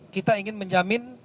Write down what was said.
kita ingin menjamin